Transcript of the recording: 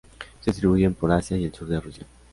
Se distribuyen por Asia y el sur de Rusia.